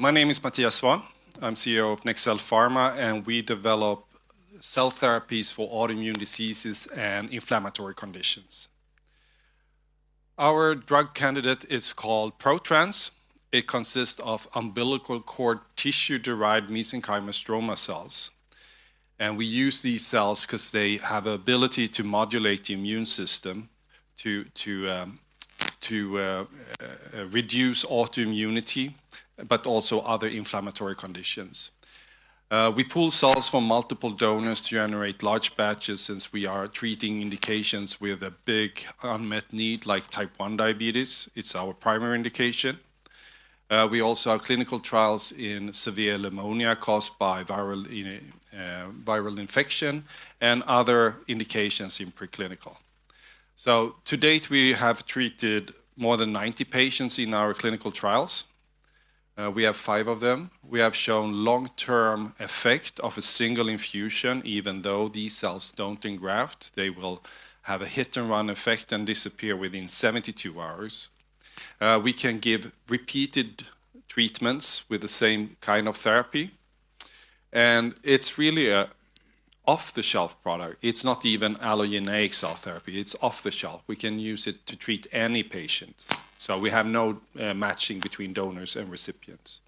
My name is Mathias Svahn. I'm CEO of NextCell Pharma, and we develop cell therapies for autoimmune diseases and inflammatory conditions. Our drug candidate is called ProTrans. It consists of umbilical cord tissue-derived mesenchymal stromal cells. We use these cells because they have the ability to modulate the immune system, to reduce autoimmunity, but also other inflammatory conditions. We pool cells from multiple donors to generate large batches since we are treating indications with a big unmet need like type 1 diabetes. It's our primary indication. We also have clinical trials in severe pneumonia caused by viral infection and other indications in preclinical. To date, we have treated more than 90 patients in our clinical trials. We have five of them. We have shown long-term effect of a single infusion, even though these cells don't engraft. They will have a hit-and-run effect and disappear within 72 hours. We can give repeated treatments with the same kind of therapy. It is really an off-the-shelf product. It is not even allogeneic cell therapy. It is off the shelf. We can use it to treat any patient. We have no matching between donors and recipients.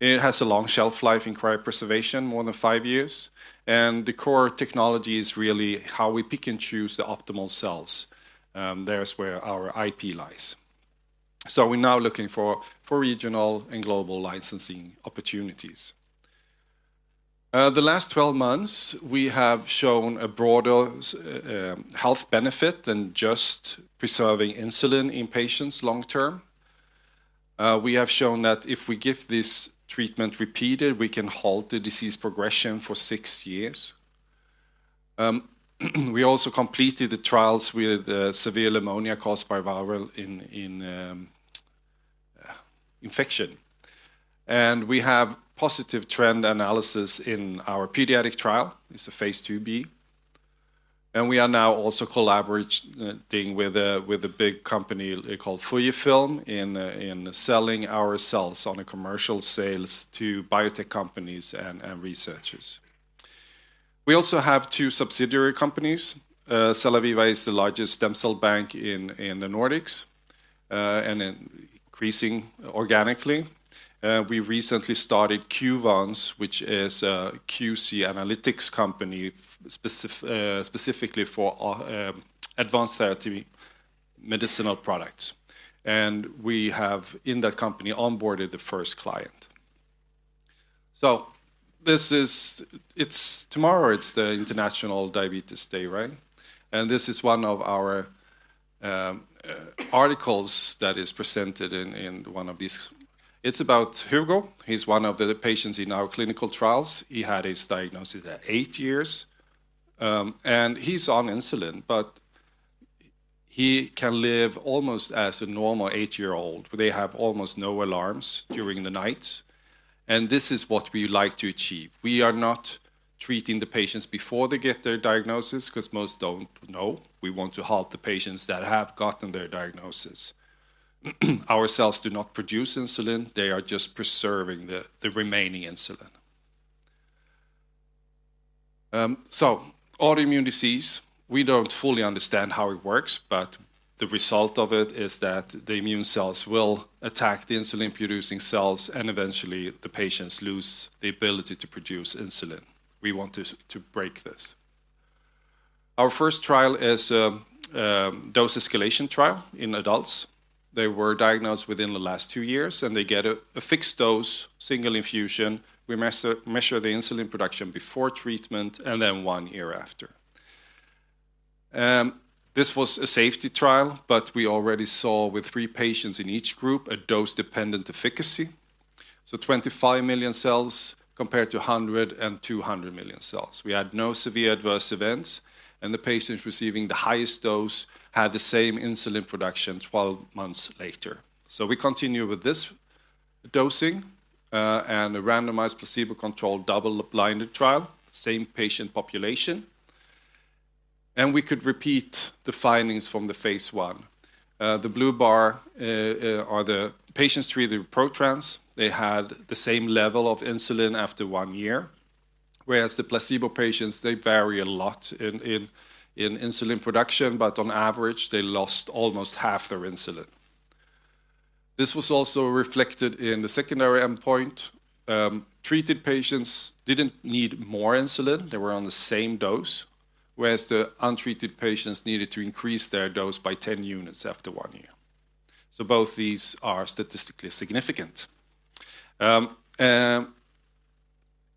It has a long shelf life in cryopreservation, more than five years. The core technology is really how we pick and choose the optimal cells. That is where our IP lies. We are now looking for regional and global licensing opportunities. The last 12 months, we have shown a broader health benefit than just preserving insulin in patients long-term. We have shown that if we give this treatment repeated, we can halt the disease progression for six years. We also completed the trials with severe pneumonia caused by viral infection. We have positive trend analysis in our pediatric trial. It is a phase II-B. We are now also collaborating with a big company called FUJIFILM Biosciences in selling our cells on a commercial sales to biotech companies and researchers. We also have two subsidiary companies. CellaViva is the largest stem cell bank in the Nordics and increasing organically. We recently started QVons, which is a QC analytics company specifically for advanced therapy medicinal products. We have, in that company, onboarded the first client. Tomorrow is the International Diabetes Day, right? This is one of our articles that is presented in one of these. It is about Hugo. He is one of the patients in our clinical trials. He had his diagnosis at eight years. He is on insulin, but he can live almost as a normal eight-year-old. They have almost no alarms during the nights. This is what we like to achieve. We are not treating the patients before they get their diagnosis because most do not know. We want to help the patients that have gotten their diagnosis. Our cells do not produce insulin. They are just preserving the remaining insulin. Autoimmune disease, we do not fully understand how it works, but the result of it is that the immune cells will attack the insulin-producing cells, and eventually, the patients lose the ability to produce insulin. We want to break this. Our first trial is a dose escalation trial in adults. They were diagnosed within the last two years, and they get a fixed dose, single infusion. We measure the insulin production before treatment and then one year after. This was a safety trial, but we already saw with three patients in each group a dose-dependent efficacy. 25 million cells compared to 100 and 200 million cells. We had no severe adverse events, and the patients receiving the highest dose had the same insulin production 12 months later. We continue with this dosing and a randomized placebo-controlled double-blinded trial, same patient population. We could repeat the findings from phase I. The blue bar are the patients treated with ProTrans. They had the same level of insulin after one year, whereas the placebo patients, they vary a lot in insulin production, but on average, they lost almost half their insulin. This was also reflected in the secondary endpoint. Treated patients did not need more insulin. They were on the same dose, whereas the untreated patients needed to increase their dose by 10 units after one year. Both these are statistically significant.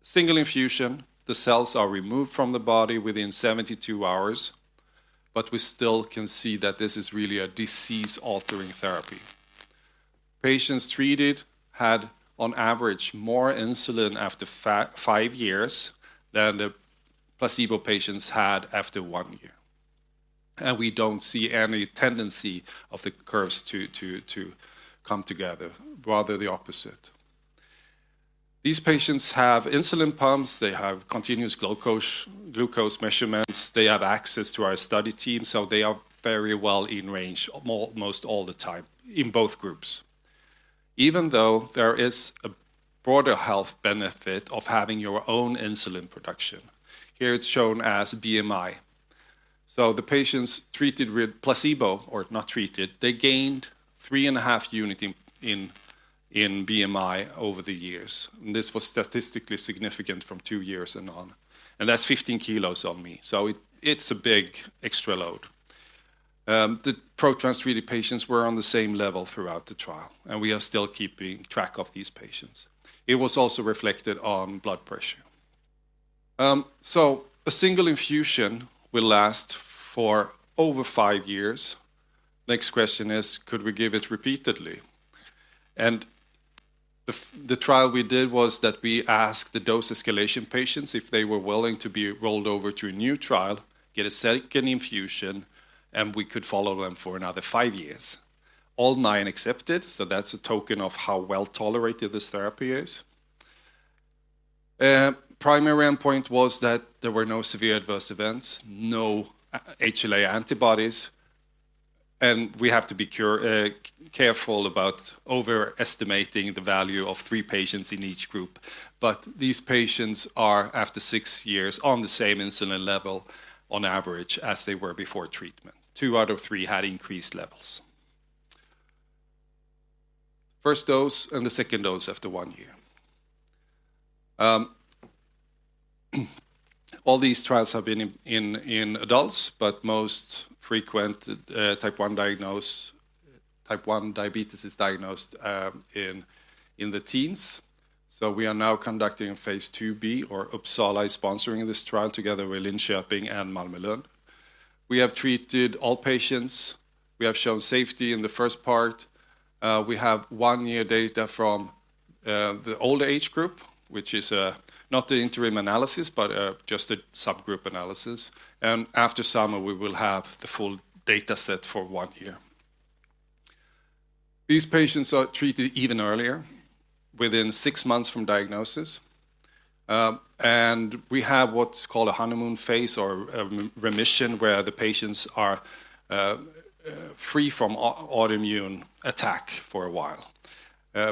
Single infusion, the cells are removed from the body within 72 hours, but we still can see that this is really a disease-altering therapy. Patients treated had, on average, more insulin after five years than the placebo patients had after one year. We do not see any tendency of the curves to come together, rather the opposite. These patients have insulin pumps. They have continuous glucose measurements. They have access to our study team. They are very well in range almost all the time in both groups, even though there is a broader health benefit of having your own insulin production. Here, it is shown as BMI. The patients treated with placebo or not treated gained three and a half units in BMI over the years. This was statistically significant from two years and on. That is 15 kg on me. It is a big extra load. The ProTrans-treated patients were on the same level throughout the trial, and we are still keeping track of these patients. It was also reflected on blood pressure. A single infusion will last for over five years. The next question is, could we give it repeatedly? The trial we did was that we asked the dose escalation patients if they were willing to be rolled over to a new trial, get a second infusion, and we could follow them for another five years. All nine accepted. That is a token of how well tolerated this therapy is. The primary endpoint was that there were no severe adverse events, no HLA antibodies. We have to be careful about overestimating the value of three patients in each group. These patients are, after six years, on the same insulin level on average as they were before treatment. Two out of three had increased levels. First dose and the second dose after one year. All these trials have been in adults, but most frequent type 1 diagnosed, type 1 diabetes is diagnosed in the teens. We are now conducting a phase II-B where Uppsala is sponsoring this trial together with Lindsay Davies and Malmö Lund. We have treated all patients. We have shown safety in the first part. We have one-year data from the older age group, which is not the interim analysis, but just a subgroup analysis. After summer, we will have the full data set for one year. These patients are treated even earlier, within six months from diagnosis. We have what's called a honeymoon phase or remission where the patients are free from autoimmune attack for a while.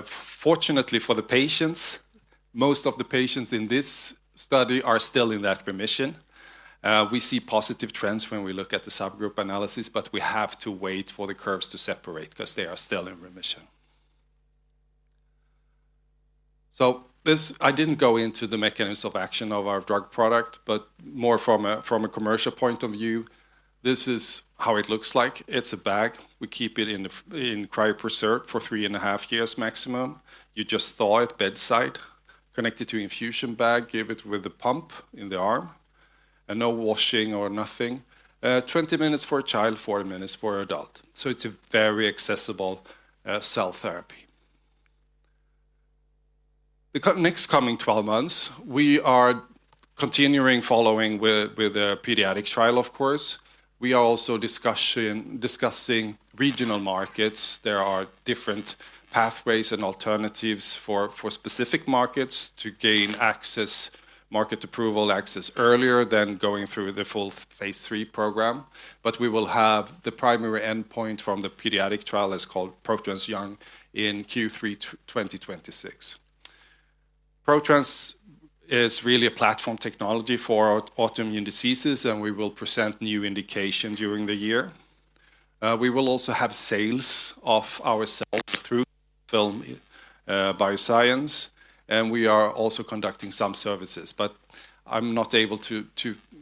Fortunately for the patients, most of the patients in this study are still in that remission. We see positive trends when we look at the subgroup analysis, but we have to wait for the curves to separate because they are still in remission. I didn't go into the mechanism of action of our drug product, but more from a commercial point of view, this is how it looks like. It's a bag. We keep it cryopreserved for three and a half years maximum. You just thaw it bedside, connect it to an infusion bag, give it with a pump in the arm, and no washing or nothing. Twenty minutes for a child, forty minutes for an adult. It's a very accessible cell therapy. The next coming 12 months, we are continuing following with a pediatric trial, of course. We are also discussing regional markets. There are different pathways and alternatives for specific markets to gain access, market approval, access earlier than going through the full phase III program. We will have the primary endpoint from the pediatric trial, it is called ProTrans Young, in Q3 2026. ProTrans is really a platform technology for autoimmune diseases, and we will present new indications during the year. We will also have sales of our cells through FUJIFILM Biosciences. We are also conducting some services, but I'm not able to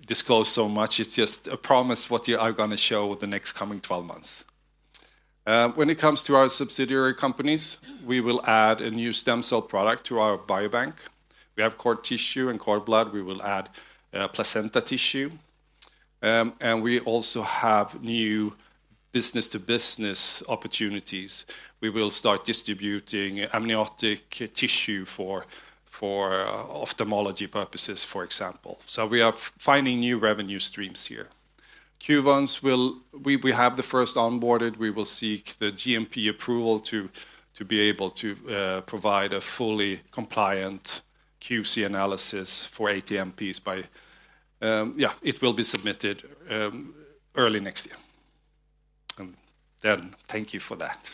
disclose so much. It's just a promise what I'm going to show the next coming 12 months. When it comes to our subsidiary companies, we will add a new stem cell product to our biobank. We have cord tissue and cord blood. We will add placenta tissue. We also have new business-to-business opportunities. We will start distributing amniotic tissue for ophthalmology purposes, for example. We are finding new revenue streams here. QVons, we have the first onboarded. We will seek the GMP approval to be able to provide a fully compliant QC analysis for ATMPs by, yeah, it will be submitted early next year. Thank you for that.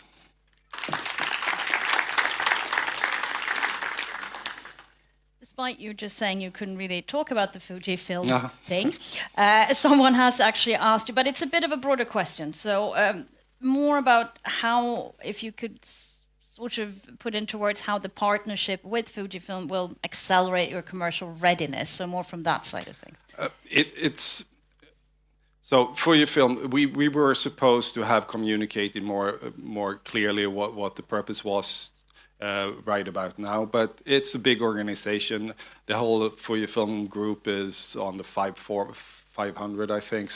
Despite you just saying you could not really talk about the Fujifilm thing, someone has actually asked you, but it is a bit of a broader question. More about how, if you could sort of put into words how the partnership with Fujifilm will accelerate your commercial readiness, so more from that side of things. Fujifilm, we were supposed to have communicated more clearly what the purpose was right about now, but it is a big organization. The whole Fujifilm group is on the 500, I think.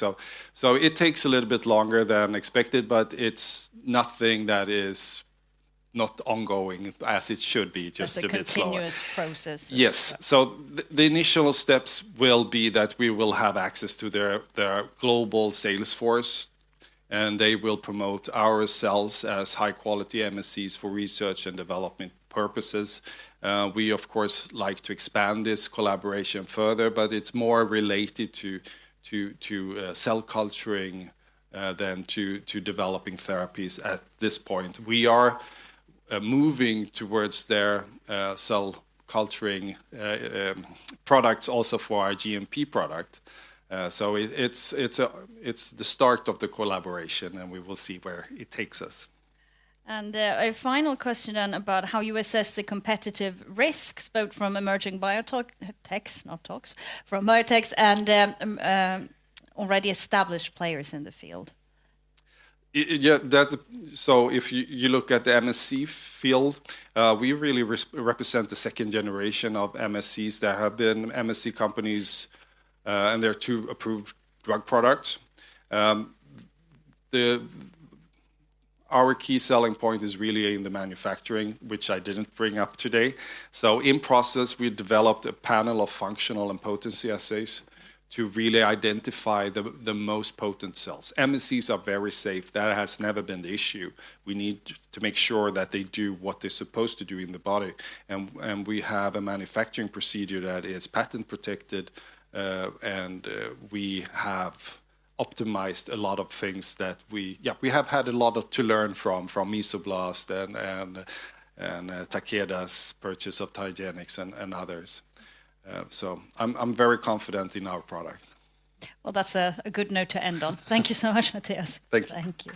It takes a little bit longer than expected, but it's nothing that is not ongoing as it should be, just a bit slower. It's a continuous process. Yes. The initial steps will be that we will have access to their global sales force, and they will promote our cells as high-quality MSCs for research and development purposes. We, of course, like to expand this collaboration further, but it's more related to cell culturing than to developing therapies at this point. We are moving towards their cell culturing products also for our GMP product. It's the start of the collaboration, and we will see where it takes us. A final question then about how you assess the competitive risks both from emerging biotechs, not talks, from biotechs and already established players in the field. Yeah, if you look at the MSC field, we really represent the second generation of MSCs that have been MSC companies, and there are two approved drug products. Our key selling point is really in the manufacturing, which I didn't bring up today. In process, we developed a panel of functional and potency assays to really identify the most potent cells. MSCs are very safe. That has never been the issue. We need to make sure that they do what they're supposed to do in the body. We have a manufacturing procedure that is patent-protected, and we have optimized a lot of things that we have had a lot to learn from, from Mesoblast and Takeda's purchase of TiGenix and others. I am very confident in our product. That's a good note to end on. Thank you so much, Mathias. Thank you. Thank you.